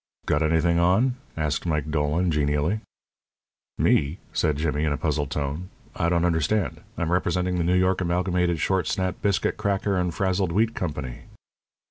"Got anything on?" asked Mike Dolan, genially. "Me?" said Jimmy, in a puzzled tone. "I don't understand. I'm representing the New York Amalgamated Short Snap Biscuit Cracker and Frazzled Wheat Company."